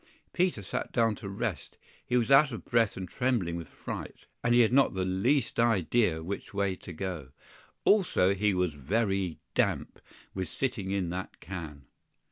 PETER sat down to rest; he was out of breath and trembling with fright, and he had not the least idea which way to go. Also he was very damp with sitting in that can.